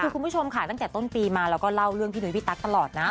แต่พวกเราจะมาร่วมกันสร้างทำให้โบสถ์หลังนี้เสร็จนะฮะ